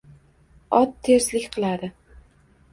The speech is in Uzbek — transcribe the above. Ot terslik qiladi